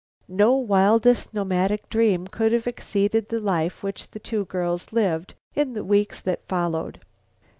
No wildest nomadic dream could have exceeded the life which the two girls lived in the weeks that followed.